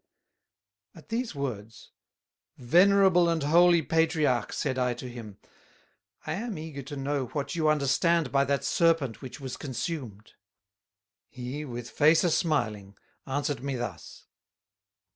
At these words: "Venerable and holy patriarch," said I to him, "I am eager to know what you understand by that Serpent which was consumed." He, with face a smiling, answered me thus